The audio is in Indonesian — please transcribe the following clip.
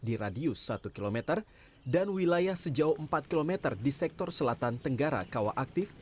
di radius satu km dan wilayah sejauh empat km di sektor selatan tenggara kawah aktif